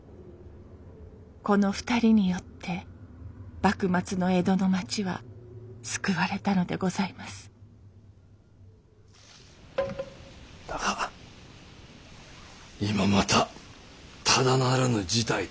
この２人によって幕末の江戸のまちは救われたのでございますだが今またただならぬ事態となっている。